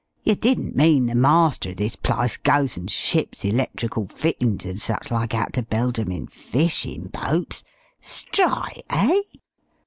Yer didn't mean the master of this plyce goes and ships electrical fittin's and such like out to Belgium in fishin' boats strite, eh?"